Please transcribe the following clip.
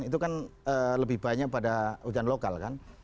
itu kan lebih banyak pada hujan lokal kan